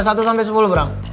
satu sampai sepuluh brang